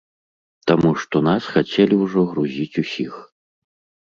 Таму што нас хацелі ўжо грузіць усіх.